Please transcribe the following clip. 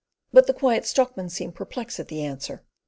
But the Quiet Stockman seemed perplexed at the answer.